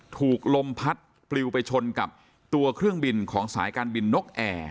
ถูกลมพัดปลิวไปชนกับตัวเครื่องบินของสายการบินนกแอร์